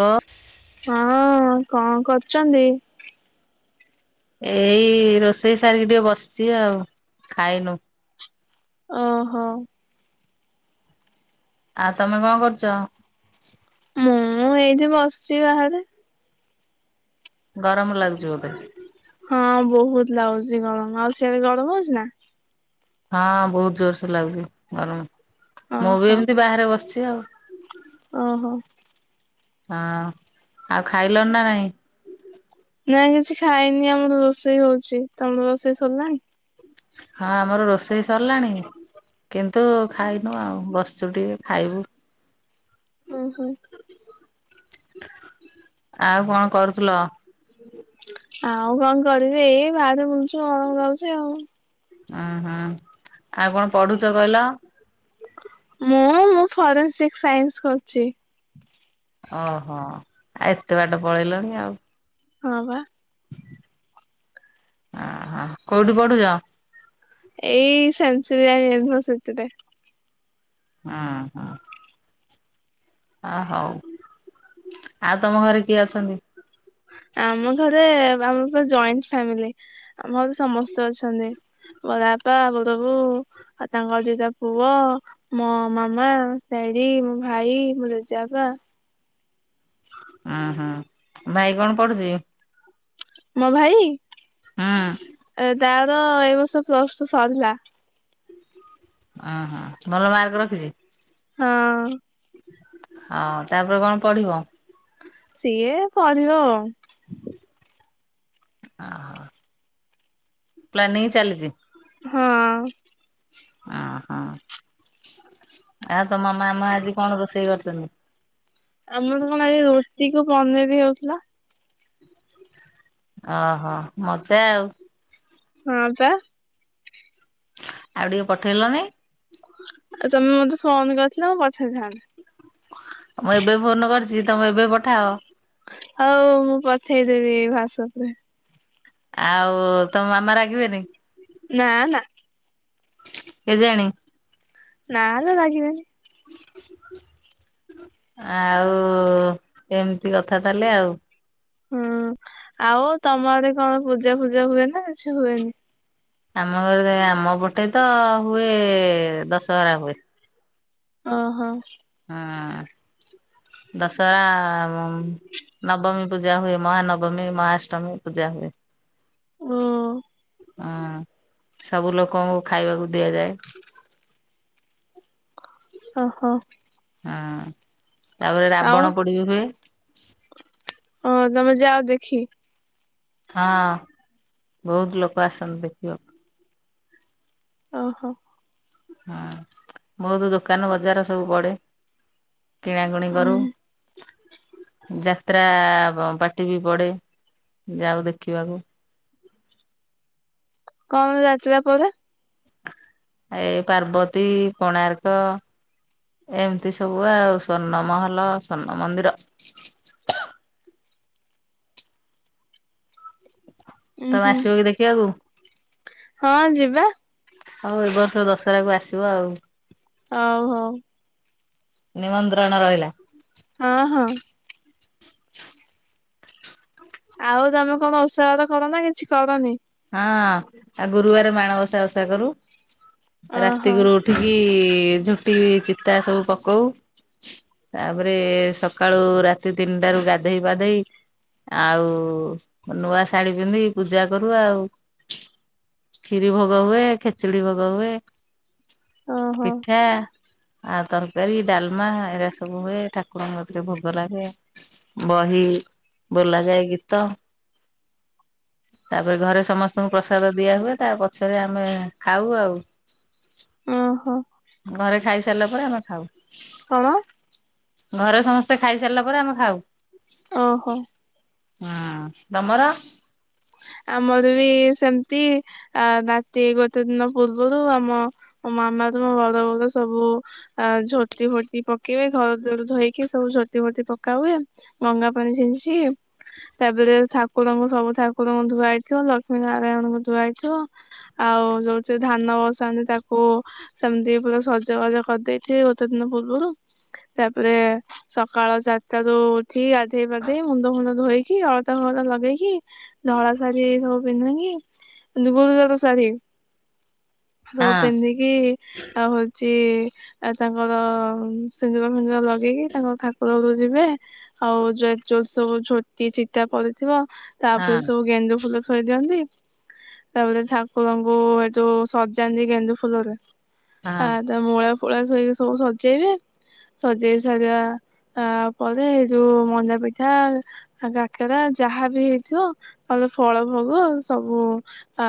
ହଁ। ହଁ କଣ କରୁଚନ୍ତି? ଏଇ ରୋଷେଇ ସାରିକି ଟିକେ ବସିଛି ଆଉ ଖାଇନୁ। ଓହୋ। ଆଉ ତମେ କଣ କରୁଚ? ମୁଁ ଏଇଠି ବସିଛି ବାହାରେ। ଗରମ ଲାଗୁଛିି ବୋଧେ? ହଁ ବହୁତ ଲାଗୁଛି ଗରମ ଆଉ ସିଆଡେ ଗରମ ହଉଛି ନାଁ? ହଁ ବହୁତ ଜୋରସୋର ଲାଗୁଛି ଗରମ ମୁଁ ବି ଓହୋ ଏମିତି ବାହାରେ ବସିଛି ଆଉ। ଓହୋ। ହଁ ଆଉ ଖାଇଲଣି ନା ନାଇଁ? ନାଇଁ କିଛି ଖାଇନି ଆମର ରୋଷେଇ ହଉଛି ତମର ରୋଷେଇ ସରିଲାଣି? ହଁ ଆମର ରୋଷେଇ ସରିଲାଣି। କିନ୍ତୁ ଖାଇନୁ ଆଉ ବସୁ ଟିକେ ଖାଇବୁ। ଓହୋ। ଆଉ କଣ କରୁଥିଲ? ଆଉ କଁ କରିବି ଏଇ ଭାରେ ବୁଲଛି ଅମ ଲାଗୁଛି ଆଉ। ଆ ହାଁ ଆଉ କଣ ପଢୁଛ କହିଲ? ମୁଁ ମୁଁ ଫରେନ୍ସିକ ସାଇନ୍ସ କରୁଛି। ଓହୋ ଆ ଏତେ ବାଟ ପଳେଇଲଣି ଆଉ। ହଁ ପା। ଓହୋ କୋଉଠି ପଢୁଛ? ଏଇ ସେଞ୍ଚୁରିଆନ ୟୁନିଭରସିଟିରେ। ଓହୋ। ଆ ହୋଉ ଆଉ ତମ ଘରେ କିଏ ଅଛନ୍ତି? ଆମ ଘରେ ଆମ ପା ଜଏଣ୍ଟ ଫ୍ୟାମିଲି ଆମ ଘରେ ସମସ୍ତେ ଅଛନ୍ତି। ବଡାପା, ବଡବୋଉ, ଆଉ ତାଙ୍କର ଦିଟା ପୁଅ ମୋ ମାମା, ଡାଡି, ମୋ ଭାଇ, ମୋ ଜେଜେ ବାପା। ଓ ହୋଁ ଭାଇ କଣ ପଢୁଛି? ମୋ ଭାଇ, ହୁଁ ଏ ତାର ଏ ବର୍ଷ ପ୍ଲସ ଟୁ ସରିିଲା। ଓହୋ ଭଲ ମାର୍କ ରଖିଛି। ହଁ। ହଉ ତାପରେ କଣ ପଢିବ? ସିଏ ପଢିବ ଆଉ। ଅହୋ। ପ୍ଲାନିଂ ଚାଲିଚି, ହଁ ଓହୋ। ଆ ତମ ମାମା ଆଜି କଣ ରୋଷେଇ କରିଛନ୍ତି? ଆମର କଣ ଆଜି ରୁଟି କୁ ପନିର ହେଉଥିଲା। ଓହୋ ମଜା ଆଉ। ହଁ ପା। ଆଉ ଟିକେ ପଠେଇଲନି? ଆଉ ତମେ ମତେ ଫୋନ କରିଥିଲେ ମୁଁ ପଠେଇଥାନ୍ତି। ମୁଁ ଏବେ ଫୋନ କରିଛି ତମେ ଏବେ ପଠାଅ। ହଉ ମୁଁ ପଠେଇଦେବି ହ୍ୱାସପରେ। ଆଉ ତମ ମାମା ରାଗିବେନି? ନାଁ ନାଁ। କେଜାଣି? ନା ଲୋ ରାଗିବେନି। ଆଉ-ଉ ଏମ୍ତି କଥା ତାହେଲେ ଆଉ। ହୁଁ ଆଉ ତମ ଆଡେ କଣ ପୂଜା ଫୂଜା ହୁଏ ନା କିଛି ହୁଏନି? ଆମ ଘରେ ଆମ ପଟେ ତ ହୁଏ-ଏ ଦଶହରା ହୁଏ। ଓହୋ। ଆଁ ଦଶହରା-ଆ ମ୍ ନବମୀ ପୂଜା ହୁଏ, ମହାନବମୀ, ମହାଷ୍ଟମୀ ପୂଜା ହୁଏ। ଓ। ଅଁ ସବୁ ଲୋକଙ୍କୁ ଖାଇବାକୁ ଦିଆଯାଏ। [inaudible] ଓହୋ। ଅଁ ତାପରେ ଆଉ ରାବଣ ପୋଡି ବି ହୁଏ। ଓ ତମେ ଯାଅ ଦେଖି? ହଁ ବହୁତ ଲୋକ ଆସନ୍ତି ଦେଖିବା ଓ ହୋ। ହଁ ବହୁତ ଦୋକାନ ବଜାର ସବୁ ପଡେ। କିଣାକୁଣି ଉଁ କରୁ। ଯାତ୍ରା ବ ପାଟି ବି ପଡେ ଯାଉ ଦେଖିବାକୁ। କଣ ଯାତ୍ରା ପଡ଼େ? ଏଇ ପାର୍ବତୀ କୋଣାର୍କ ଏମିତି ସବୁ ଆଉ ସ୍ଵର୍ଣ୍ଣ ମହଲ ସ୍ଵର୍ଣ୍ଣ ମନ୍ଦିର। ଉଁ ତମେ ହୁଁ ଆସିବକି ଦେଖିବାକୁ? ହଁ ଯିବା। ହଉ ଏ ବର୍ଷ ଦଶହରା କୁ ଆସିବ ଆଉ। ହଉ ହଉ। ନିମନ୍ତ୍ରଣ ରହିଲା। ହଁ ହଁ। ଆଉ ତମେ କଣ ଓଷାବାସ କର ନା କିଛି କରନି? ହଁ ଆଉ ଗୁରୁବାର ମାଣବସା ଓଷା କରୁ। ଓହୋ ରାତିକୁକୁ ଉ ଉଠିକି ଝୋଟି ଚିତା ସବୁ ପକଉ। ତାପରେ ସକାଳୁ ରାତି ତିନିଟାରୁ ଗାଧେଇ ପାଧେଇ ଆଉ ନୂଆ ଶାଢୀ ପିନ୍ଧିକି ପୂଜା କରୁ। ଆଉ କ୍ଷିରି ଭୋଗ ହୁଏ। ଖେଚୁଡି ଭୋଗ ହୁଏ। ଓହୋ ପିଠା ଆଉ ତରକାରୀ ଡାଲମା ଏରା ସବୁ ହୁଏ। ଠାକୁରଙ୍କ କତିରେ ଭୋଗ ଲାଗେ। ବହି ବୋଲା ଯାଏ ଗୀତ। ତାପରେ ଘରେ ସମସ୍ତଙ୍କୁ ପ୍ରସାଦ ଦିଆ ହୁଏ ତା ପଛରେ ଆମେ ଖାଉ ଆଉ। ଓହୋ। ଘରେ ଖାଇ ସାରିଲା ପରେ ଆମେ ଖାଉ। କଣ ଘରେ ସମସ୍ତେ ଖାଇସାରିଲା ପରେ ଆମେ ଖାଉ। ଓହୋ। ହୁଁ ତମର? ଆମର ବି ସେମିତି ଅ ରାତି ଗୋଟେ ଦିନ ପୂର୍ବରୁ ଆମ ମୋ ମାମାର ବଡ଼ବୋଉର ସବୁ ଆ ଝୋଟି ଫୋଟି ପକେଇବେ ଘର ଦ୍ୱାର ଧୋଇକି ସବୁ ଝୋଟି ଫୋଟି ପକା ହୁଏ। ଗଙ୍ଗା ପାଣି ଛିିଞ୍ଚି ତାପରେ ଠାକୁରଙ୍କୁ ସବୁ ଠା ଠାକୁରଙ୍କୁ ଧୁଆହେଇଥିବ ଲକ୍ଷ୍ମୀ ନାରାୟଣଙ୍କୁ ଧୁଆହେଇଥିବ ଆଉ ଯୋଉଥିରେ ଧାନ ବସାନ୍ତି ତାକୁ ହେମିତି ପୁରା ସଜବାଜା କରିଦେଇଥିବେ ଗୋତେ ଦିନ ପୂର୍ବରୁ ତାପରେ ସକାଳ ଚାରିଟାରୁ ଉଠି ଆ ଗାଧେଇ ଫାଦେଇ ମୁଣ୍ଡ ଫୁଣ୍ଡ ଧୋଇକି ଅଳତା ଫଳତା ଲଗେଇକି ଧଳା ଶାଢୀ ଏ ସବୁ ପିନ୍ଧିକି କିନ୍ତୁ ଗୁରୁବାର ଶାଢୀ। ସବୁ ହଁ ପିନ୍ଧିକି ଆଉ ହଉଛି ତାଙ୍କର ସିନ୍ଦୁର ଫିନ୍ଦୁର ଲଗେଇକି ତାଙ୍କର ଠାକୁଘରକୁ ଯିବେ। ଆଉ ସବୁ ଝୋଟି ଚିତା ପଡିଥିବ ତାପରେ ହଁ ସବୁ ଗେଣ୍ଡୁ ଫୁଲ ଥୋଇ ଦିଅନ୍ତି ତାପରେ ଠାକୁରଙ୍କୁ ହେଠୁ ସଜାନ୍ତି ଗେଣ୍ଡୁ ଫୁଲରେ। ଆ ହଁ ତା ମୂଳା ଫୂଳା ଥୋଇକି ସବୁ ସଜେଇବେ। ସଜେଇ ସାରିବା ଆ ପରେ ଏ ଯୋଉ ମଣ୍ଡା ପିଠା ଆଉ କାକରା ଯାହାବ ହେଇଥିବ ତାହଲେ ଫଳ ଭୋଗ ସବୁ ଆ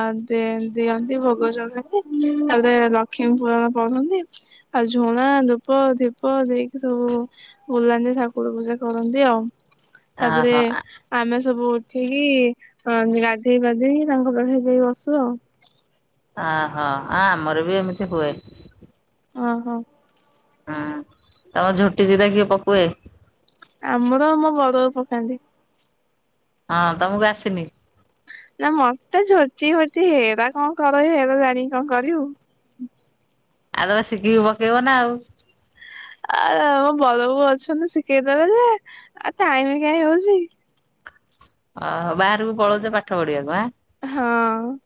ଦିଅନ୍ତି ଭୋଗ ଜଳନ୍ତି ତାପରେ ରଖିବାକୁ ପ ପଡୁନି। ଆଉ ଝୁଣା ଧୂପ ଧୀପ ଦେଇକି ସବୁ ବୁଲାନ୍ତି ଠାକୁର ପୂଜା କରନ୍ତି ଆଉ ତାପରେ ଓହୋ ଆମେ ସବୁଠିକ କି ଗାଧେଇ ଫାଧେଇ ତାଙ୍କ ବେଳେ ଯାଇ ବସୁ ଆଉ। ଆ ଅ ଆମର ବି ଏମିତି ହୁଏ। ଓହୋ। ହଁ ତମ ଝୋଟି ଚିତା କିଏ ପକୁଏ? ଆମର ମୋ ବଡ ପକାନ୍ତି। ହଁ ତମକୁ ଆସିନି ନା ମତେ ଝୋଟି ଭୋଟି ହେରା କଣ କର ହେରା ଜାଣିକି କଣ କରିବୁ। ଆଉ ତ ଶିଖିକି ପକେଇବ ନା ଆଉ। ଆ ମୋ ବରବୋ ଅଛନ୍ତି ଶିଖେଇଦବେ ଯେ ଆ ଟାଇମ କାଇଁ ହେଉଛି ଓହୋ ବାହାରକୁ ପଳଉଛ ପାଠ ପଢିବାକୁ ହା। ହଁ।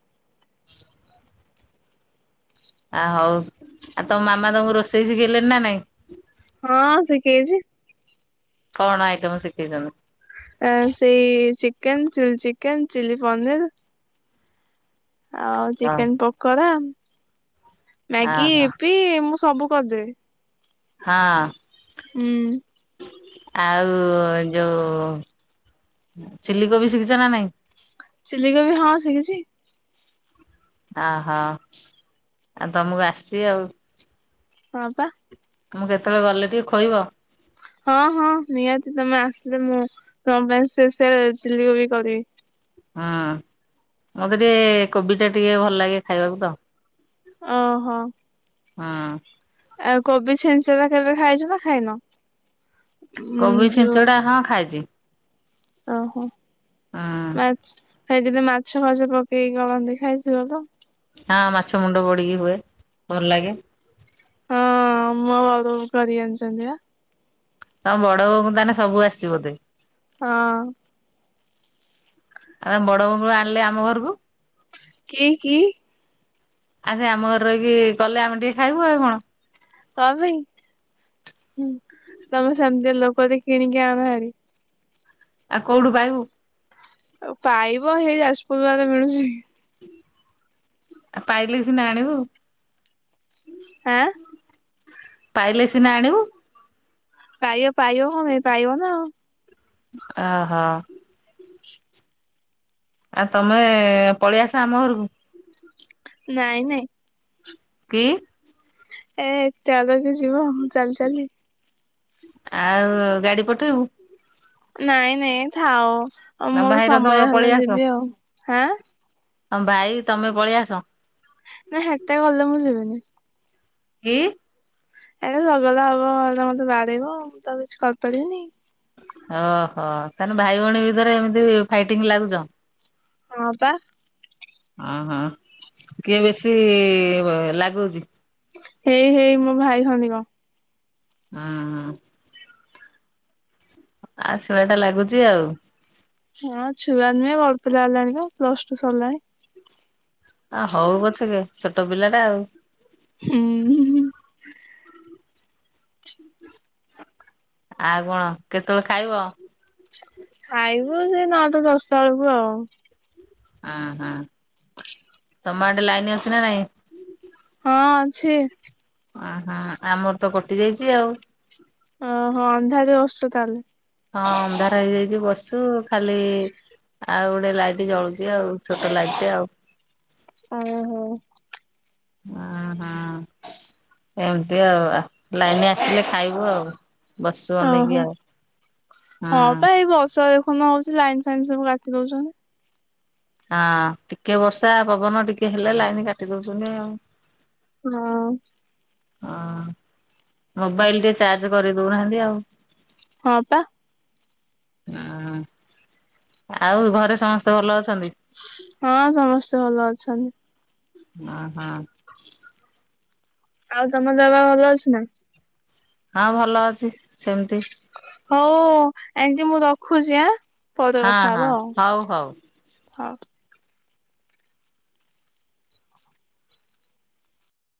ଆ ହଉ ଆଉ ତମ ମାମା ତମକୁ ରୋଷେଇ ଶିଖେଇଲେଣିି ନା ନାଇଁ। ହଁ ଶିଖେଇଛି। କଣ ଆଇଟମ ଶିଖେଇଛନ୍ତି? ଆ ସେଇ ଚିକେନ ଚ ଚିକେନ ଚିଲି ପନିର। ଆଉ ଓହୋ ଚିକେନ ପକୋରା ମ୍ୟାଗି ଓହୋ ଇ ପି ମୁଁ ସବୁ କରିଦେବି। ହଁ। ହୁଁ। ଆଉ ଯୋଉ ଚିଲ କୋବି ଶିଖିଛ ନା ନାଇଁ। ଚିଲ କୋବିି ହଁ ଶିଖିଛି। ଓହୋ ଆଉ ତମକୁ ଆସିବ। ହଁ ପା। ମୁଁ କେତେବେଳେ ଗଲେ ଟିକେ ଖଇବ। ହଁ ହଁ ନିହାତି ତମେ ଆସିଲେ ମୁଁ ତମ ପାଇଁ ସ୍ପେଶାଆଲ ଚିଲି କବି କରିବି। ହଁ ମତେ ଟିକେ କୋବି ଟା ଟିକେ ଭଲ ଲାଗେ ଖାଇବାକୁ ତ ଓହୋ। ହଁ। ଆଉ କୋବି ଛେନଞ୍ଚା ତା କେବେ ଖାଇଛୁ ନା ଖାଇନ। ଉଁ କୋବି ଯୋଉ ଛିଞ୍ଚଟା ହଁ ଖାଇଛି। ଓହୋ ହୁଁ [inaudible] ମାଛ [inaudible] ସେ ଯଦି ମାଛ ଫାଛ ପକେଇକି ଗଳନ୍ତି ଖାଇଥିବ ତୋ? ହଁ ମାଛ ମୁଣ୍ଡ ପଡିକି ହୁଏ। ଭଲ ଲାଗେ। ହଁ ମୋ ବୋଉ କରି ଯାଣିଛନ୍ତି ବା। ତମ ବଡ ବୋଉଙ୍କୁ ତାହେଲେ ସବୁ ଆସିଛି ବୋଧେ? ହଁ। ଆ ବଡ ବୋଉ ଆଣିଲେ ଆମ ଘରକୁ। କିଏ କି? ଆରେ ଆମ ଘରେ ରହିକି କଲେ ଆମେ ଟିକେ ଖାଇବୁ ଆଉ କଣ? ହ ଭାଇ [inaudible] ତମେ ସେମିତି ଲୋକ ଟେ କିଣିକି ଆଣ ହାରି। ଆଉ କୋଉଠୁ ପାଇବୁ? ଆଉ ପାଇବ ହେଇ ଯାଜପୁର ଆଡେ ମିଳୁଛି। [inaudible] ଆଉ ପାଇଲେ ସିନା ଆଣିବୁ। ଆଁ ପାଇଲେ ସିନା ଆଣିବୁ। ପାଇବ ପାଇବ କଣ ପାଇଁ ପାଇବ ନା ଆଉ। ଓହୋ। ଆଉ ତମେ ପଳେଇ ଆସ ଆମ ଘରକୁ। ନାଇଁ ନାଇଁ। କି? ଏ ଏତେ ବାଟ କିଏ ଯିବ ଚାଲି ଚାଲି। ଆଉ ଗାଡି ପଠେଇବୁ। ନାଇଁ ନାଇଁ ଥାଉ ତମ ମୋର ଭାଇର ତମର ସମୟ ହେଲେ ପଳେଇ ଆସ। ଯିବି ଆଉ ହାଁ। ତମ ଭାଇ ତମେ ପଳେଇ ଆସ। ନା ହେଟା ଗଲେ ମୁଁ ଯିବିନି। କି? ଏ ଚଗଲା ହବ ହେ ମତେ ବାଡେଇବ ତାପରେ କିଛି କରିପାରିବିନି। ଓହୋ ତାହାଲେ ଭାଇ ଭଉଣୀ ଭିତରେ ଏମିତି ଫାଇଟିଙ୍ଗ ଲାଗୁଚ। ହଁ ପା ଅହଁ କିଏ ବେଶୀ ଲାଗୁ ହେଇ ହେଇ ମୋ ଭାଇ ଖଣ୍ଡି କ। ଉଁ ହୁଁ। ଆ ଛୁଆ ଟା ଲାଗୁଚି ଆଉ। ହଁ ଛୁଆ ନୁହେଁ ବଡ ପିଲା ହେଲାଣି ପ୍ଲସ ଟୁ ସଲାଣି। ଆ ହଉ ପଛ କେ ଛୋଟ ପିଲା ଟା ଆଉ। ହୁଁ ଆଉ କଣ କେତେବେଳେ ଖାଇବ? ଖାଇବୁ ସେ ନଅ ଟା ଦଶଟା ବେଳକୁ ଆଉ। ଉ ହୁଁ ତମ ଆଡେ ଲାଇନ ଅଛି ନା ନାଇଁ? ହଁ ଅଛି। ଓହୋ ଆମର ତ କଟି ଯାଇଛି ଆଉ। ଓହୋ ଅନ୍ଧାରେ ଵଶ୍ଚ ତାହେଲେ। ହଁ ଅନ୍ଧାର ହେଇଯାଇଛି ବସିଛୁ ଖାଲି ଆଉ ଗୋଟେ ଲାଇଟି ଜଳୁଚି ଆଉ ଛୋଟ ଲାଇଟଟେ ଆଉ। ଓହୋ ଓହୋ ଏମିତି ଆଉ ଆ ଲାଇନ ଆସିଲେ ଖାଇବୁ ଆଉ। ବସିଛୁ ଅ ଅନେଇକି ହୋ ଆଉ। ହଁ ହୁଁ ପାଇଁ ଏଇ ବର୍ଷା ଦେଖୁନୁ ହଉଛି ଲାଇନ୍ ଫାଇନ୍ ସବୁ କାଟି ଦଉଛନ୍ତି। ହଁ ଟିକେ ବର୍ଷା ପବନ ଟିକେ ହେଲେ ଲାଇନ କାଟି ଦଉଛନ୍ତି ଆଉ। ହଁ। ହଁ ମୋବାଇଲ ଟିକେ ଚାର୍ଜ କରିଦଉନାହାନ୍ତି ଆଉ। ହଁ ପା ଉଁ ଆଉ ଘରେ ସମସ୍ତେ ଭଲ ଅଛନ୍ତି? ହଁ ସମସ୍ତେ ଭଲ ଅଛନ୍ତି। ଅ ହୋ। ଆଉ ତମ ଦେହ ଭଲ ଅଛି ନା? ହଁ ଭଲ ଅଛି ସେମିତି। ହଉ ଆଣ୍ଟି ମୁଁ ରଖୁଛି ଆଁ ପରେ ହଁ କଥା ହଁ ହବା ଆଉ। ହଉ ହଉ। ହଉ।